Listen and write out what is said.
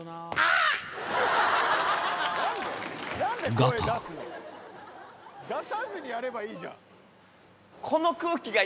ガター出さずにやればいいじゃん。